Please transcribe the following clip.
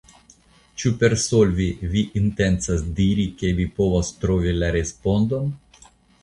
Ĉu per solvi vi intencas diri ke vi povos trovi la respondon?